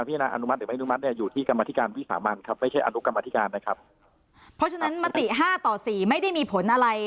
เพราะฉะนั้นมติ๕ต่อ๔ไม่ได้มีผลอะไร